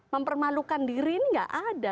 mempermalukan diri ini nggak ada